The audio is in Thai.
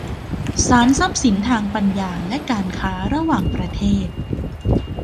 ศาลทรัพย์สินทางปัญญาและการค้าระหว่างประเทศ